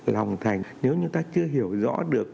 lòng thành nếu chúng ta chưa hiểu rõ được